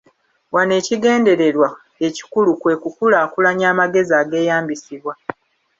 Wano ekigendererwa ekikulu kwe kukulaakulanya amagezi ageeyambisibwa.